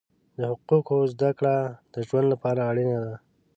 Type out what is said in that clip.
د حقوقو زده کړه د ژوند لپاره اړینه ده.